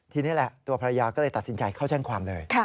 ทีนี้แหละตัวภรรยาก็เลยตัดสินใจเข้าแจ้งความเลย